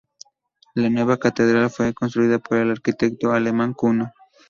La nueva catedral fue construida por el arquitecto alemán Kuno.